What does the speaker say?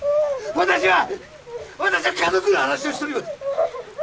私は私は家族の話をしとります